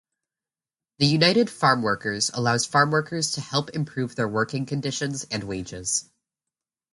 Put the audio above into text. The United Farm Workers allows farmworkers to help improve their working conditions and wages.